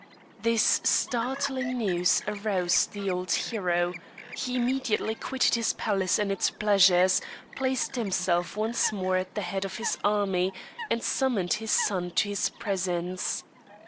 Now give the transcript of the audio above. This startling news aroused the old hero; he immediately quitted his palace and its pleasures, placed himself once more at the head of his army, and summoned his son to his presence.